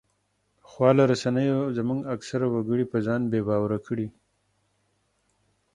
خواله رسنیو زموږ اکثره وګړي پر ځان بې باوره کړي